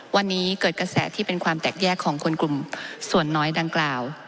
วันนี้เกิดกระแสที่เป็นความแตกแยกของคนกลุ่มส่วนน้อยดังกล่าว